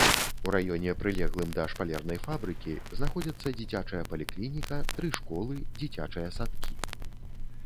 У раёне, прылеглым да шпалернай фабрыкі, знаходзяцца дзіцячая паліклініка, тры школы, дзіцячыя садкі.